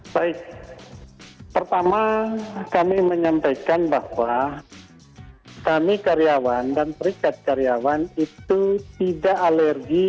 baik pertama kami menyampaikan bahwa kami karyawan dan perikat karyawan itu tidak alergi